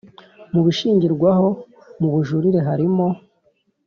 Mu bishingirwaho mu bujurire harimo